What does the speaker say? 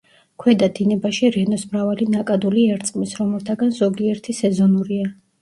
ქვედა დინებაში რენოს მრავალი ნაკადული ერწყმის, რომელთაგან ზოგიერთი სეზონურია.